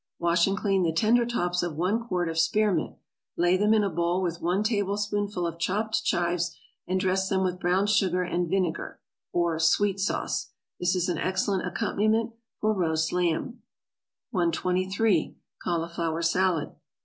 = Wash and clean the tender tops of one quart of spearmint, lay them in a bowl with one tablespoonful of chopped chives, and dress them with brown sugar and vinegar, or sweet sauce. This is an excellent accompaniment for roast lamb. 123. =Cauliflower Salad.